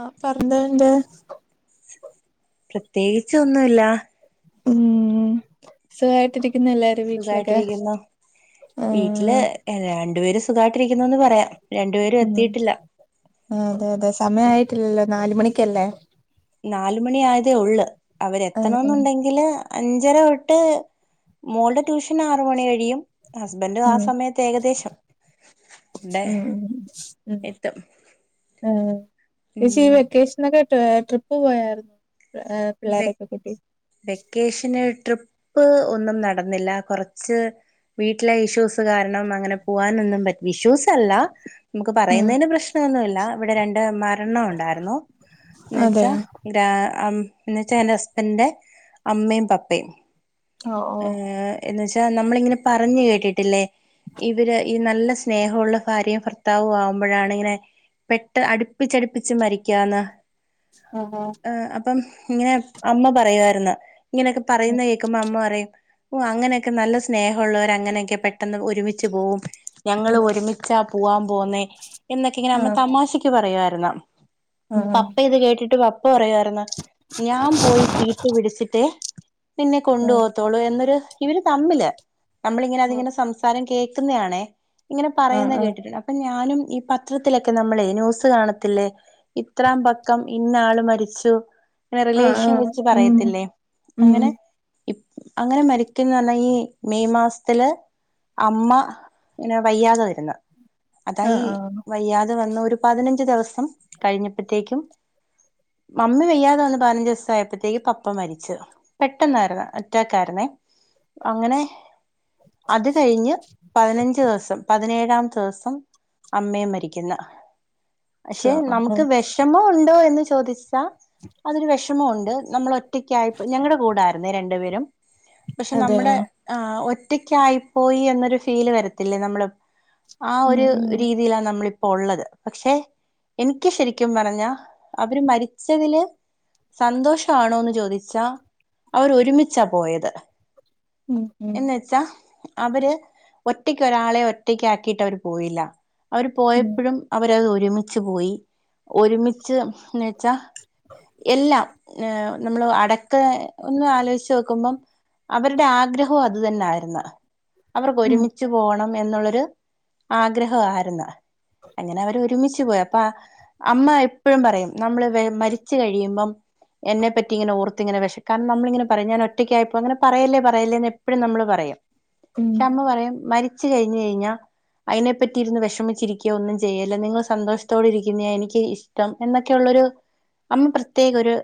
ആ പറഞ്ഞെരന്റ് പ്രത്യേകിച്ച് ഒന്നുല്ല ഉം സുഖായിട്ട് ഇരി സുഖായിട്ടിരിക്കുന്നു ആ വീട്ടില് രണ്ടുപേര് സുഖമായിട്ടിരിക്കുന്നുന്ന് പറ ഉം അതെ അതെ സമയയിട്ടില്ലല്ലോ നാല് മണിക്കല്ലേ നാലുമണി ആയതേ ഉള്ള് അവര് ആ ആ എത്തണന്നുണ്ടെങ്കില് അഞ്ചര തൊട്ട് മോളുടെ ട്യൂഷന് ആറ് മണി കഴിയും ഹസ്ബൻഡ് ആ സമയത്ത് ഏകദേശം അവിടെ ഉം ഉം ഉം എത്തും ഉം ചേച്ചി ഈ ഉം വെക്കേഷൻ ഒക്കെ ഏ ട്രിപ്പ് പോയായിരുന്നോ വെക്ക് വെക്കേഷന് ട്രിപ്പ് ഒന്നും നടന്നില്ല കൊറച്ച് വീട്ടിലെ ഇഷ്യൂസ് കാരണം അങ്ങനെ പോവാനൊന്നും പറ്റി ഇഷ്യൂസ്സല്ല നമുക്ക് ആ പറയുന്നതിന് പ്രശ്നമൊന്നൂല്ല ഇവിടെ രണ്ട് മരണം ഉണ്ടായിരുന്നു എന്ന് വെച്ചാ അതെയോ ഗ്രാ അം എന്ന് വെച്ചാ എന്റെ ഹസ്ബന്റ്ന്റെ അമ്മയും പപ്പയും ഓ ഓ ഏ എന്ന് വെച്ചാ [unintelligible] നമ്മളിങ്ങനെ പറഞ്ഞു കേട്ടിട്ടില്ലേ ഇവര് ഈ നല്ല സ്നേഹമുള്ള ഭാര്യ ഭർത്താവു ആവുമ്പോഴാണ് ഇങ്ങനെ പെട്ട അടുപ്പിച്ചടുപ്പിച്ച് മരിക്കാന്ന് ആ ആ ഏ അപ്പം ഇങ്ങനെ അമ്മ പറയുവാർന്ന് ഇങ്ങനേക്കെ പറയുന്നേ കേക്കുമ്പോ അമ്മ പറയും ഓ അങ്ങനെയൊക്കെ നല്ല സ്നേഹോള്ളോര് അങ്ങനെയൊക്കെ പെട്ടെന്ന് ഒരുമിച്ച് പോവും ഞങ്ങള് ഒരുമിച്ചാ പുവാൻ പോന്നേ എന്നൊക്കെ ഇങ്ങനെ ആ ആ അമ്മ തമാശക്ക് പറയാരുന്നു അപ്പ പപ്പ ഇത് കേട്ടിട്ട് പപ്പ ക പറയായിരുന്നു ഞാൻ പോയി സീറ്റ് പിടിച്ചിട്ട് നിന്നെ ആ കൊണ്ടു പോവത്തൊള്ളു എന്നൊരു ഇവര് തമ്മില് നമ്മളിങ്ങനെ അതിങ്ങനെ സംസാരം കേക്കുന്നേ ആണേ ഇങ്ങനെ ആ പറയുന്ന ആ കേട്ടിട്ടുണ്ട് അപ്പ ഞാ ഞാനും ഈ പത്രത്തിലൊക്കെ നമ്മളെ ന്യൂസ് കാണത്തില്ലേ ഇത്രാം പക്കം ഇന്ന ആള് മരിച്ച് രു ആ ആ റിലേഷൻ വെച്ച് ഉം പറയത്തില്ലേ ഉം അങ്ങനെ അങ്ങനെ മരിക്കുംന്ന് പറഞ്ഞാ ഈ മെയ് മാസത്തില് അമ്മ പിന്നെ വയ്യാതെ വരുന്ന ആ അതായി ആ വയ്യാതെ വന്ന് ഒരു പതിനഞ്ച് ദിവസം കഴിഞ്ഞപ്പോഴത്തേക്കും മമ്മി വയ്യാതെ വന്ന പ പതിനഞ്ച് ദിവസ ആയപ്പോത്തേക്ക് പപ്പ മരിച്ചു പെട്ടെന്നായിരുന്നു അറ്റാകായിരുന്നെ അങ്ങനെ അത് കഴിഞ്ഞ് പതിനഞ്ച് ദിവസം പ പതിനേഴാം ദിവസം അമ്മയും മരിക്കുന്നു പക്ഷെ നമുക്ക് വിഷമോ ഉണ്ടോ എന്ന് ചോദിച്ചാ അതൊരു വെഷമൊണ്ട് നമ്മൾ ഒറ്റയ്ക്കായി ഞങ്ങളുടെ കൂടായിരുന്നെ രണ്ടു പേരും പക്ഷെ അതെയോ നമ്മുടെ ആ ഒറ്റക്കായി പ്പോയി എന്നൊരു ഫീല് വരത്തില്ലേ നമ്മള് ആ ഉം ഒരു ഉം രീതിയിലാ നമ്മളി പ്പോ ഉള്ളത് പക്ഷെ എനിക്ക് ശരിക്കും പറഞ്ഞാ അവര് മരിച്ചതില് സന്തോഷ ആണോന്ന് ചോദിച്ചാ അവര് ഒരുമിച്ചാ പോയത് ഉം ഉം എന്ന് വച്ചാ അവര് ഒറ്റക്ക് ഒരാളെ ഒറ്റക്ക് ആക്കിട്ട് അവര് പോയില്ല അവര് ഉം പോയപ്പഴും അവരത് ഒരുമിച്ച് പോയി ഒരുമിച്ച് ന്ന് വെച്ചാ [unintelligible] എല്ല ഏ നമ്മള് അടക്ക ഒന്ന് ആലോചിച്ചു നോക്കുമ്പം അവരുടെ ആഗ്രഹവും അത് തന്നെ ആായിരുന്നു അവർക്ക് ഉം ഒരുമിച്ച് പോവണം എന്നുള്ളൊരു ആഗ്രഹം ആരുന്നു അങ്ങനെ അവര് ഒരുമിച്ച്പോയി അപ്പ അമ്മ എപ്പോഴും പറയും നമ്മള് വേം മരിച്ച് കഴിയുമ്പം എന്നെപ്പറ്റി ഇങ്ങനെഓർത്ത്ത്തിങ്ങെ വിം കാരണം നമ്മളിങ്ങനെ പറയും ഞാൻ ഒറ്റക്കായിപ്പോയി അങ്ങനെ പറയല്ലേ പറയല്ലേ എന്ന് എഴും നമ്മള് പറയാം. ഉം ഷ അമ്മ പറയും മരിച്ച് കഴിഞ്ഞ് കഴിഞ്ഞാ അയിനെ പറ്റി ഇരുന്ന് വെഷമിച്ചിരിക്കുകയോ ഒന്നും ചെയ്യല്ല നിങ്ങൾ സന്തോഷത്തോടെ ഇരിക്കുന്ന എനിക്ക് ഇഷ്ടം എന്നൊക്കെയുള്ള ഒരു അമ്മ പ്രത്യേകം ഒരു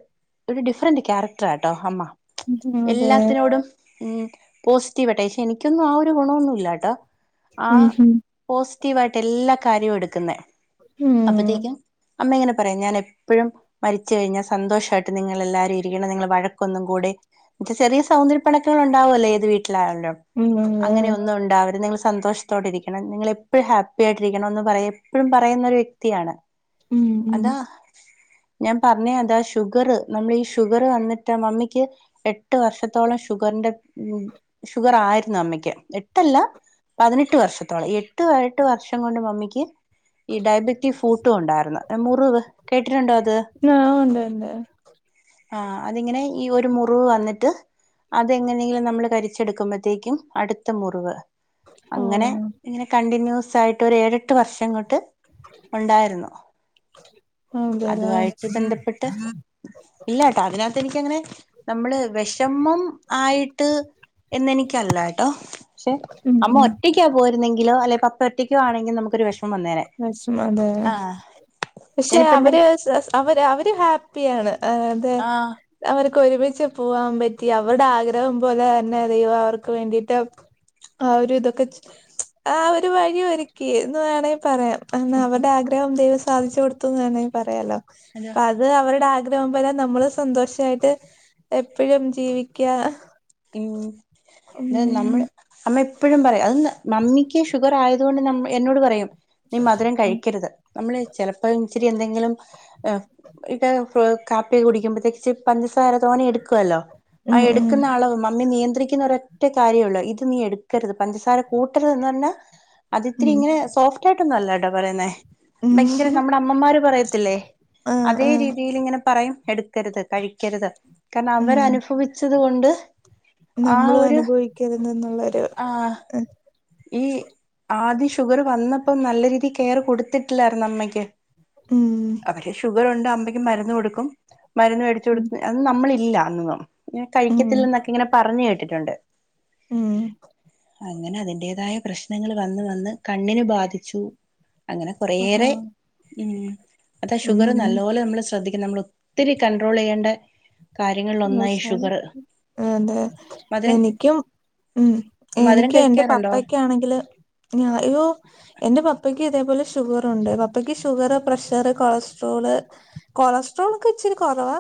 ഒരു ഡിഫറന്റ് ക്യാരക്ടർാട്ടോ അമ്മ അതെ എല്ലാത്തിനോടും ഉം പോസിറ്റീവട്ടെ പക്ഷെ എനിക്കൊന്നും ആ ഒരു ഗുണൊന്നുല്ല ട്ടോ ആ ഉം ഉം പോസി റ്റിവായിട്ട് എല്ലാ കാര്യവും എടുക്കുന്നെ ഉം അപ്പത്തേക്കും അമ്മ ഇങ്ങനെ പറയാം ഞാൻ എപ്പഴും മരിച്ച കഴിഞ്ഞാൽ സന്തോഷായിട്ട് നിങ്ങളെല്ലാരും ഇരിക്കണം നിങ്ങള് വഴക്കൊന്നും കൂടെ ച്ച് ചെറിയ സൗന്ദര്യ പിണക്കങ്ങൾ ഉണ്ടാവും അല്ലേ ഏത് വീട്ടിലായാലും ഉം അതെ അങ്ങനെ ഒന്നും ഉണ്ടാവര്ത് നിങ്ങള് സന്തോഷത്തോടെ ഇരിക്കണം നിങ്ങ എപ്പോഴും ഹാപ്പി ആയിട്ടിരിക്കണം എന്ന് പറയാ എപ്പോഴും പറയുന്ന ഒരു വ്യക്തിയാണ് ഉം ഉം അതാ ഞാൻ പറഞ്ഞ അതാ ഷുഗർ നമ്മൾ ഈ ഷുഗർ വന്നിട്ട് മമ്മിക്ക് എട്ട് വർഷത്തോളം ഷുഗർ ണ്ട ഷുഗർ ആയിരുന്നു അമ്മയ്ക്ക് എട്ടല്ല പതിനെട്ട് വർഷത്തോളം എട്ട് എട്ട് വർഷം കൊണ്ട് മമ്മിക്ക് ഈ ഡയബെറ്റീവ് ഫൂട്ടും ഉണ്ടായിരുന്നു മുറിവ് കേട്ടിട്ടുണ്ടോ അത് ആ ഉണ്ട് ഉണ്ട് ആഹ അതിങ്ങനെ ഈ ഒരു മുറിവ് വന്നിട്ട് അതെങ്ങനെങ്കിലും നമ്മള് കരിച്ചെടുക്കുമ്പോഴത്തേക്കും അടുത്ത മുറിവ് ഓ അങ്ങനെ ഇങ്ങനെ കണ്ടിന്യൂസ് ആയിട്ട് ഒരു ഏഴെട്ട് വർഷം ങ്ങോട്ട് ഉണ്ടായിരുന്നു അതു അതെല്ലേ ആയിട്ട് ബന്ധപ്പെട്ട് ഇല്ല ട്ടാ അത് അതിനകത്ത് എനിക്കങ്ങനെ നമ്മള് വെഷമം ആയിട്ട് എന്നെനിക്കല്ല ട്ടോ പക്ഷെ ഉം അമ്മ ഉം ഒറ്റക്കാ പോയിരുന്നെങ്കിൽ ലോ അല്ലെ പത്തര ട്ടിക്ക് ആണെങ്കിൽനമുക്ക് ഒരു വെഷ - [unintelligible] പക്ഷെ ഞാനിപ്പ എന്തെ അവര് അവര് അവര് ഹാപ്പിയാണ് അ അതെ ആഹ് അവരെ ഒരുമിച്ച് പോവാൻ പറ്റി അവരുടെ ആഗ്രഹം പോലെ തന്നെ ദൈവം അവർക്ക് വേണ്ടിട്ട് ആ ഒരു ഇതൊക്കെ ആ ഒരു വഴി ഒരുക്കി എന്നു വേണെ പറയാം കാരണം അവരുടെ ആഗ്രഹം ദൈവം സാധിച്ചു കൊടുത്തുന്ന് വേണേ പറയാലോ അതാ അപ്പ അത് അവരുടെ ആഗ്രഹം പോലെ നമ്മള് സന്തോഷായിട്ട് എപ്പോഴും ജീവിക്കുക ഉം നമ്മള് അമ്മ എപ്പോഴും പറയുംം അത് മമ്മിക്ക് ഷുഗർ ആയതുകൊണ്ട് നമ്മ എന്നോട് പറയും നീ മധുരം ഉം കഴിക്കരുത് നമ്മള് ചെലപ്പംഇച്ചിരി എന്തെങ്കിലും ഇടെ [unintelligible] കാപ്പി കുടിക്കുമ്പോത്തേകിച്ച് പഞ്ചസാര തോനേഎടുക്കുവല്ലോ ആ ഉം എടുക്കുന്ന ആളേ നിയന്ത്രിക്കുന്ന ഒരൊറ്റ കാര്യള്ളൂ ഇത് നീ എടുക്കരുത് പഞ്ചസാര കൂട്ടരുത് എന്ന് പറഞ്ഞാ അത്‌ത്തിരി ഉം ഇങ്ങനെ സോഫ്റ്റ് ആായിട്ടും നല്ല ട്ടോ പറയുന്നേ ഉം ഭയങ്കര നമ്മുടെ അമ്മമാര് പറയത്തില്ലേ ആ അതേ ആ രീതിൽ ഇങ്ങനെ പറയും എടുക്കരുത് കഴിക്കരുത് കാരണം ഉം അവരനുഭവിച്ചത് കൊണ്ട് ആ നമ്മളും ഒരു അനുഭവിക്കരുത എന്നുള്ളൊരു ആഹ് ഈ ആദ്യം ഷുഗർ വന്നപ്പോ നല്ല രീതിയിൽ കെയർ കൊടുത്തിട്ടില്ലായിരുന്നു അമ്മയ്ക്ക് ഉം അവര് ഷുഗറുണ്ട് അമ്മക് മരുന്ന് കൊടുക്കും മരുന്ന് വെ ടിച്ചു ഉം കൊടുത്ത് അ നമ്മള് ഇല്ല അന്നും ഉം കഴിക്കത്തില്ല എന്നൊക്കെ ഇങ്ങനെ പറഞ്ഞു കേട്ടിട്ടുണ്ട് ഉം അങ്ങനെ അതിന്റേതായ പ്രശ്നങ്ങൾ വന്ന് വന്ന് കണ്ണിനന് ബാധിച്ചു അങ്ങനെ ആഹാ കുറേയേറെ ഉംഅതെ ഷുഗർ ഉം നല്ലപോലെ നമ്മള് ശ്രദ്ധിക്ക നമ്മൾ ഒത്തിരി കണ്ടട്രോളിയേണ്ടെ [unintelligible] മധുരം അതെഎനിക്കും ഉം മധുരം എനിക്ക് എന്റെ കഴിക്കാറുണ്ടോ പപ്പയക്കെ ആണെങ്കില് ഞോ യോഎന്റെ പപ്പയ്ക്ക് ഇതേപോലെ ഷുഗറുണ്ട് പപ്പയ്ക്ക് ഷുഗർ പ്രഷർ കൊളസ്ട്രോൾ കൊളസ്ട്രോൾ ഒക്കെ ഇച്ചിരി കൊറവാ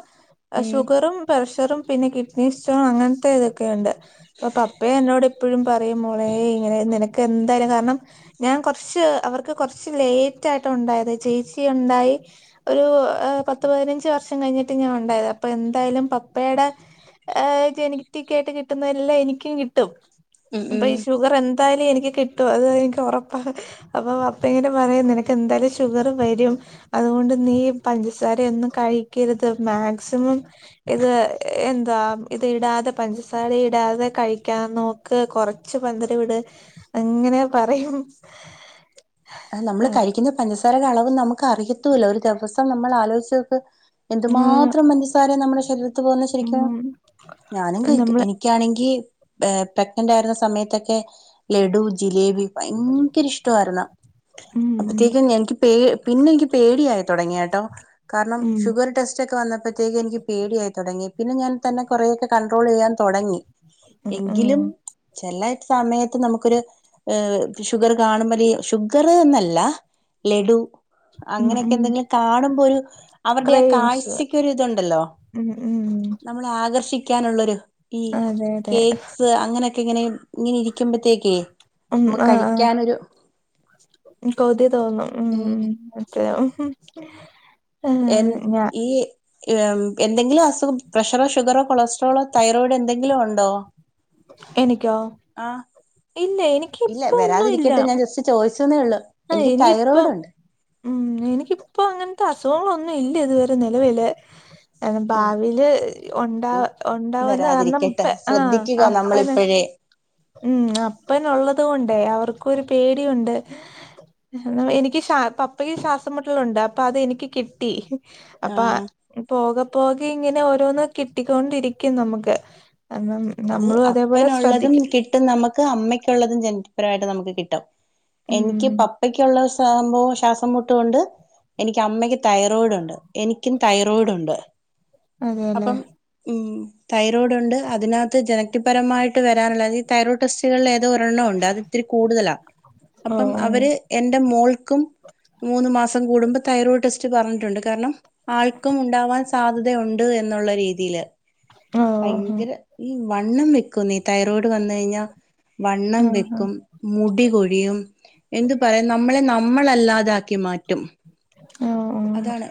ഉം ഷുഗറും പ്രഷറും പിന്നെ കിഡ്നി സ്റ്റോൺ അങ്ങനത്തെ ഇതൊക്കെയുണ്ട് അപ്പൊ പപ്പയ എന്നോട് എപ്പഴും പറയും മോളെ ഇങ്ങനെ നിനക്ക് എന്തായാലും കാരണം ഞാൻ കുറച്ച് അവർക്ക് കുറച്ച് ലേറ്റ് ആായിയിട്ട് ഉണ്ടായത് ചേച്ചി ഉണ്ടായി ഒരു പത്ത് പതിനഞ്ച് വർഷം കഴിഞ്ഞിട്ട് ഞാൻ ഉണ്ടായത് അപ്പൊ എന്തായാലും അപ്പയുടെ [unintelligible] ജനറ്റിക്ക് ആയിട്ട് കിട്ടുന്നഎല്ലാം എനിക്കും കിട്ടും ഉം അപ്പൊ ഉം ഈ ഷുഗർ എന്തായാലു എനി [unintelligible] കിട്ടും അത് എനിക്കുറപ്പാണ് അപ്പൊ പപ്പയും പറയും നിനക്കെന്തായാലും ഷുഗർ വരുംആ അൊണ്ട് നീ പഞ്ചസാരൊന്നും കഴിക്കരുത് മാക്സിമം ഇത് എ [unintelligible] ഇത് ഇടാതെ പഞ്ചസാര ഇടാതെ കഴിക്കാന്ന് നോക്ക് കൊറച്ച് മധുര ഇട് അങ്ങനെ പറയും - [inaudible] നമ്മള് കഴിക്കുന്ന പഞ്ചസാരയുടെ അളവ് നമ്മുക്ക് അറിയത്തൂല്ല ഒരു ദിവസം നമ്മൾ ആലോയിച്ചോക്ക് ഉം എന്തുമാത്രം പഞ്ചസാര നമ്മുടെ ശരീരത്ത് പോകുന്ന ശരിക്കും ഉം ഞാനും കഴിക്കും നമ്മള് എനിക്കാണെങ്കി [unintelligible] ആരുന്ന സമയത്തൊക്കെ ലഡു ജിലേബി ഭയങ്കര ഇഷ്ടമായിരുന്ന ഉം ഉം അപ്പത്തേക്കും എനിക്ക് പേ പിന്നെ എനിക്ക് പേടിയായി തുടങ്ങിയട്ടോ കാരണം ഷുഗർ ടെസ്റ്റ് ഒക്കെ വന്നപ്പോ തേക്ക് എനിക്ക് പേടിയായി തുടങ്ങി പിന്നെ ഞാൻ തന്നെ കുറെക്കെ കണ്ട്രോൾ ചെയ്യാൻ തുടങ്ങി ഉം ഉം എങ്കിലും ചെല സമയത്ത് നമുക്കൊരു [unintelligible] ഷുഗർ കാണുമ്പോഴി ഷുഗർന്നല്ല ലഡു ഉം അങ്ങനെയൊക്കെ ഉം എന്തെങ്കിലും കാണുമ്പോ ഒരു അവരുടെ ആ ക്രേവിങ്സ് കാഴ്ചക്കൊ ഒരു ഇതുണ്ടല്ലോ ഉം ഉം നമ്മളെ ആകർഷിക്കാനുള്ളൊരു ഈ അതെ അതെ കേക്ക്സ് അങ്ങനെ ഇങ്ങനെ ഇങ്ങനെ ഇരിക്കുമ്പോത്തേക്കേ നമ്മക്ക്. കഴിക്കാനൊരു. കൗതി തോന്നു ഉം [unintelligible] എൻ ഏഹ് ഞാ ഈ എന്തെങ്കിലും അസുഖം പ്രഷറോ, ഷുഗറോ, കൊളസ്ട്രോളോ, തൈറോയിഡ്, എന്തെങ്കിലും ഉണ്ടോ? എനിക്കോ ആഹ് ഇല്ല എനിിക്ക ഇല്ല ിപ്പഒന്നുല്ലാ വരാതിരിക്കട്ടെ ഞാൻ ജസ്റ്റ് ചോദിച്ചെന്നേ ഉള്ളു ആ എനിക്ക് ഇനിയിപ്പ തൈറോയിഡ് ഉം എനിക്കിപ്പ അങ്ങനത്തെ അസോങ്ങളൊന്നും ഇല്ല ഇത് വരെ നിലവില അ ഉണ്ട് ഭാവിൽ ഉണ്ടാവ ഉണ്ടാവന്ന് കാരണം. വരാതിരിക്കട്ടെ പ്പ ആഹ ശ്രദ്ധിക്കുക അപ്പനെ [inaudible] ഉം അപ്പന ഉള്ളത് കൊണ്ടേ അവർക്കുംരു പേടിണ്ട്. എനിക്ക് ശ പപ്പയ്ക്ക് ശ്വാസംമട്ടലൽ ഉണ്ട് അപ്പൊ അതെനിക്ക് കിട്ടി. അപ്പ ആഹ് പോക പോകെ ഇങ്ങനെ ഓരോന്നും കിട്ടിക്കൊണ്ടിരിക്കും. നമുക്ക്. കണം അത് നമ്മളും അതേപോലെ അപ്പനുള്ളതും ശ്രദ്ധിക്കണം. കിട്ടും നമുക്ക് അമ്മയ്ക്കുള്ളതും. ജനപരമായിട്ട് നമുക്ക് കിട്ടും. എനിക്ക് ഉം പപ്പയ്ക്കുള്ള സംഭവം ശ്വാസം മുട്ടുംണ്ട്. എനിക്ക് അമ്മയ്ക്ക് തൈറോയിഡ് ഉണ്ട്. എനിക്കും തൈറോയിഡ് ഉണ്ട്. അതെല്ലേ അപ്പം ഉം തൈറോയ്ഡ് ഉണ്ട് അതിനകത്ത്. ജനക്തിപരമായിട്ട് വരാന ഈ തൈറോഡ് ടെസ്റ്റുകളിൽ ഒരെണ്ണം ഉണ്ട് അത് ഇത്തിരി കൂടുതലാ. ഓ അപ്പം ഓ അവര് എന്റെ മോൾക്കും. മൂന്ന് മാസം കൂടുമ്പും തൈറോയ്ഡ് ടെസ്റ്റ് പറഞ്ഞിട്ടുണ്ട്. കാരണം ആൾക്കും ഉണ്ടാവാൻ സാധ്യത ഉണ്ട്. എന്നുള്ള രീതിൽ ഓ ആഹ് ഭയങ്കര ഇ വണ്ണം വെക്കും നീ തൈറോയ്ഡ് വന്ന കഴിഞ്ഞാൽ വണ്ണം ആഹ് വെക്കും. മു ടികൊഴിയും എന്ത് പറയാ നമ്മളെ നമ്മളല്ലാതാക്കി മാറ്റും. ഓ ഓ അതാണ്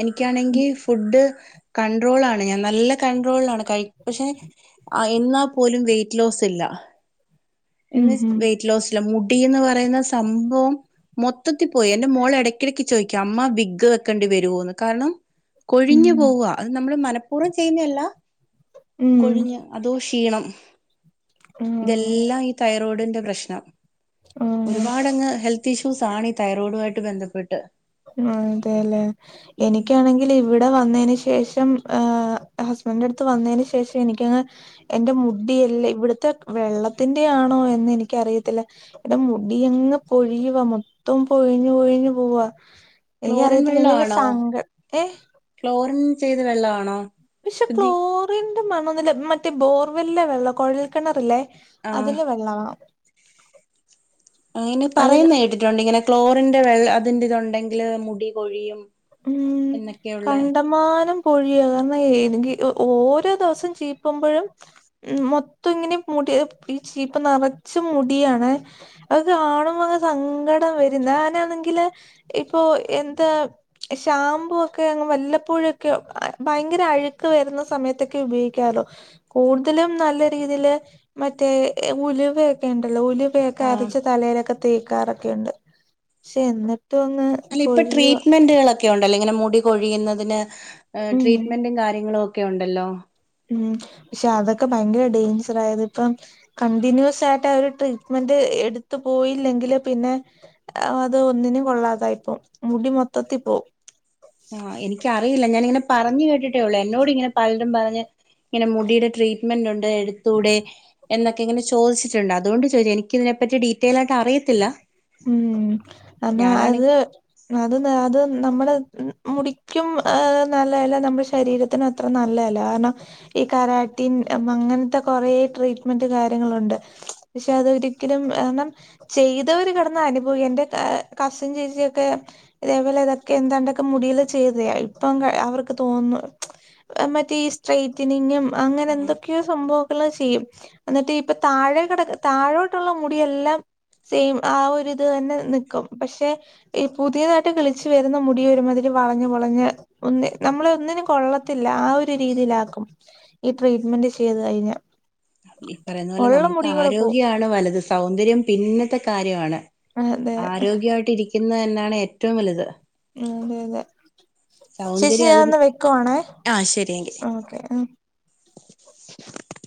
എനിക്കാണെങ്കി ഫുഡ്. കൺണ്ട്രോൾ ആണ് ഞാൻ നല്ല കൺണ്ട്രോളാണ് കഴി പക്ഷെ എന്നാൽ പോലും വെറ്റ് ലോല്ല ഉം ഉം വെറ്റ് ലോസ്ല്ല മുടിന്ന് പറയുന്ന സംഭവം മൊത്തത്തിൽ പോയി എന്റെ മോള് ഇടയ്ക്കിടക്ക് ചോദിക്കാം. അമ്മ ബിഗ്ഗ് വെക്കേണ്ടി വരൊ. കാരണം ഉം കൊഴിഞ്ഞു പോവുക അത് നമ്മൾ മനഃപൂർവ്വം ചെയ്യുന്നതല്ല. ഉം ഉം കൊഴിഞ്ഞ് അതോ ക്ഷീണം. ആഹ് ഇതെല്ലാം ഈ തൈറോയ്ഡിന്റെ പ്രശ്നം. ആഹ് ഒരുപാട്ങ്ങ് ഹെൽത്ത് ഇഷ്യൂസ ആണ് ഈ തൈറോയിഡുമായിട്ട് ബന്ധപ്പെട്ട്. അതെല്ലേ ഉം എനിക്കാണെങ്കിൽ ഇവിടെ വന്നതിന് ശേഷം. ആ ഹസ്ബൻഡന്റെ അടുത്ത് വന്നതിന് ശേഷം. എനിക്കങ്ങ എന്റെ മുടിയ എല്ല ഇവിടുത്തെ വെള്ളത്തിന്റെ ണോ എന്ന് എനിക്കറിയത്തില്ല. ഇടെ മുടി എങ്ങ് പൊഴിയുവ മൊത്തം പൊഴിഞ്ഞു പൊഴിഞ്ഞു പോവാ. ക്ലോറിൻ എനിക്കറിയത്തില്ല വെള്ള എനിക്കങ്ങ് ആണോ? സങ്ക ഏഹ് ക്ലോറിൻ ചെയ്ത് വെള്ള ആണോ? പക്ഷെ ക്ലോറിന്റെ മണന്നില മറ്റേ ബോർവെലിലെ വെള്ള കുഴൽ കിണറല്ലേ? ആഹ് അതിലേ വെള്ളവാ. അങ്ങനെ അത് പറയുന്ന കേട്ടിട്ടുണ്ട്. ഇങ്ങനെ ക്ലോറിന്റെ വെള്ള അതിറ ഇതുണ്ടെങ്കില് മുടി കൊൊഴിയും. ഉം കണ്ടമാനം. കൊഴിയ ക ഓരോ ദിവസം ചീപ്പുമ്പോഴും. മൊത്തം ഇങ്ങനെ മു പ്പ ച്ചിപ് നറച്ചും മുടിയാണ് അത് കാണുമ്പോ സങ്കടം വരും. ന്ന അങ്ങനാണെങ്കില്. ഇപ്പൊ എന്താ ഷാമ്പൂ ഒക്കെ അങ്ങ് വല്ലപ്പോഴൊക്കെ ഭയങ്കര അഴുക്ക് വരുന്ന. സമയത്തൊക്കെ ഉപയോഗിക്കാ കൂടുതലും നല്ല രീതിൽ മറ്റേ ഉലൊക്ക ഉണ്ടല്ലോ? ക്കെ ആഹ് അരച്ച് തലയിലൊക്കെ തേക്കാറൊക്കെുണ്ട്. പക്ഷെ എന്നി അല്ല ഇപ്പൊ ട്രീറ്റ്മെന്റുകളൊക്കെ കൊ ഉണ്ടല്ലോ ഇങ്ങനെ മുൂടി കൊൊഴിയുന്നതിന് ഉം ട്രീറ്റ്മെന്റും കാര്യങ്ങളും ഒക്കെ ഉണ്ടല്ലോ? ഉ പക്ഷെ അതൊക്കെ ഭയങ്കര ഡേഞ്ചർ ആയത്. ഇപ്പം കണ്ടിന്യൂസ് ആയിട്ട് ആ ഒരു ട്രീറ്റ്മെന്റ്. എടുത്തു പോയില്ലെങ്കില് പിന്നെ അത് ഒന്നിനും കൊള്ളാതായി പോവും മുടി മൊത്തത്തിൽ പോ ഓ [unintelligible] ആഹ്, എനിക്കറിയില്ല. ഞാാനിങ്ങനെ പറഞ്ഞ് കേട്ടിട്ടേള്ളു എന്നോട് ഇങ്ങനെ പലരും പറഞ്ഞ്. ഇങ്ങനെ മുടിയുടെ ട്രീറ്റ്മെന്റ് ഉണ്ട് എടുത്തൂടെ. എന്നൊക്കെ ഇങ്ങനെ ചോദിച്ചിട്ടുണ്ട്. അുകൊണ്ട് ചോദിച്ചത്. എനിക്കിതിനെപ്പറ്റി ഡീറ്റെയിലായിട്ട് അറിയത്തില്ല. ഉം.. അത് ഞാനാണെങ്കി അത് അത് നമ്മുടെ, മുടിക്കും നല്ലതല്ല. നമ്മുടെ ശരീരത്തിനും അത്ര നല്ലതല്ല കാരണം. ഈ കാലര അങ്ങനത്തെ കൊറെ ട്രീറ്റ്മെന്റ് കാര്യങ്ങളുണ്ട്. പക്ഷെ അതൊരിക്കലും ണം ചെയ്തവര് കട എന്ന അനുഭവ എന്റെ കസിൻ ചേച്ചിയ ഒക്കെ ഇതേപോലെ ഇതൊക്കെ എന്താണ്ടൊക്കെ മുടിയിൽ ചെയ്തായി. ഇപ്പ അവർക്ക് തോന്നുന്നു മറ്റേ സ്ട്രൈറ്റനിങ്ങും അങ്ങനെ എന്തൊക്കെയോ സംഭവം. ചെയും എന്നിട്ട് ഇപ്പൊ താഴെ കിട താഴോട്ടുള്ള മുടിഎല്ലാം ഇത് തന്നെ നിൽക്കും. പക്ഷെ ഈ പുതിയതായിട്ട് കിളിച് വരുന്ന മുടി ഒരു മാതിരി വളഞ്ഞ് പളഞ്ഞ്, ഒന്ന നമ്മള ഒന്നിനും കൊള്ളത്തില്ല. ആ ഒരു രീതിയിലാക്കും ഈ ട്രീറ്റ്മെന്റ് ചെയ്ത് കഴിഞ്ഞാൽ. ഈ പറയുന്ന പോലെ നമുക്ക് കൂടെ പോവും ആരോഗ്യാണ്‌ വലുത് സൗന്ദര്യം പിന്നത്തെ കാര്യമാണ്. അതെ ആരോഗ്യമായിട്ട് ഇരിക്കുന്നത് തന്നാണ് ഏറ്റവും വലുത്. അതെതെ, ചേച്ചി സൗന്ദര്യം അത് ഞാൻന്ന് വെക്കുവാണേ. ആഹ് ശരിയെങ്കിൽ ഓക്കെ, [unintelligible]